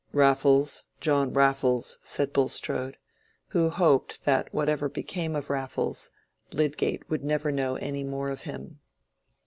"Raffles, John Raffles," said Bulstrode, who hoped that whatever became of Raffles, Lydgate would never know any more of him.